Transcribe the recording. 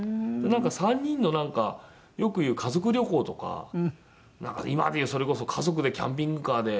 ３人のなんかよくいう家族旅行とか今でいうそれこそ家族でキャンピングカーで。